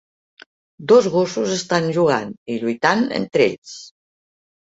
Dos gossos estan jugant i lluitant entre ells.